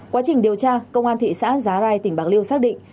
quá trình điều tra công an thị xã giá rai tỉnh bạc liêu xác định